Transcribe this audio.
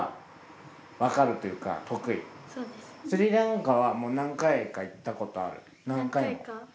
スリランカはもう何回か行ったことある？